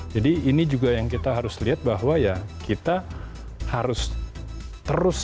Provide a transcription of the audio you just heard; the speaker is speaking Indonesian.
jadi ini juga yang kita harus lihat bahwa ya kita harus terus